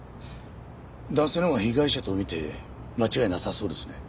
男性のほうは被害者と見て間違いなさそうですね。